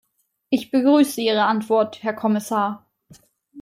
Ich begrüße Ihre Antwort, Herr Kommissar.